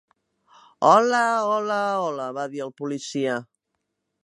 "Hola, hola, hola", va dir el policia.